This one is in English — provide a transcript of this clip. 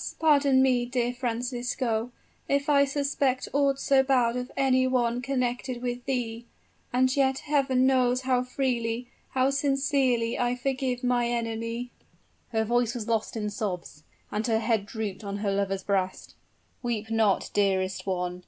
pardon me, dear Francisco if I suspect aught so bad of any one connected with thee and yet Heaven knows how freely, how sincerely I forgive my enemy " Her voice was lost in sobs; and her head drooped on her lover's breast. "Weep not, dearest one!"